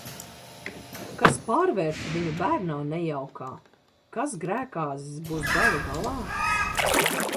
Kas pārvērta viņu bērnā nejaukā, kas grēkāzis būs galu galā?